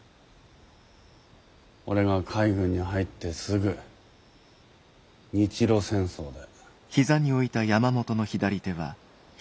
俺が海軍に入ってすぐ日露戦争で。